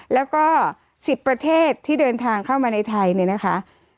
แล้วก็๑๐ประเทศที่เดินทางเข้ามาในไทยเนี่ยนะคะ